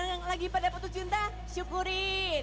yang lagi pada putus cinta syukurin